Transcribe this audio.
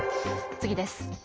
次です。